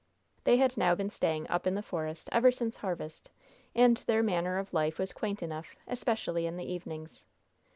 They had now been staying "Up in the Forest" ever since harvest, and their manner of life was quaint enough, especially in the evenings.